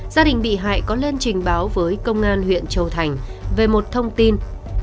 gia đình bị hại có lên trình báo với công an huyện châu thành về một thông tin